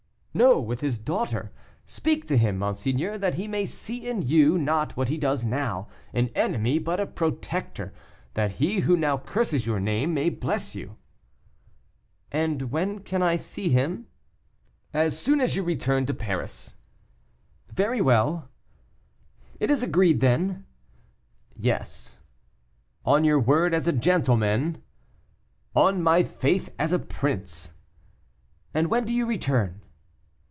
"No, with his daughter. Speak to him, monseigneur, that he may see in you, not what he does now, an enemy, but a protector that he who now curses your name may bless you." "And when can I see him?" "As soon as you return Paris." "Very well." "It is agreed, then?" "Yes." "On your word as a gentleman?" "On my faith as a prince." "And when do you return?"